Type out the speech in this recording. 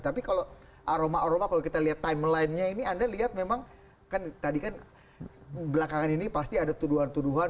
tapi kalau aroma aroma kalau kita lihat timeline nya ini anda lihat memang kan tadi kan belakangan ini pasti ada tuduhan tuduhan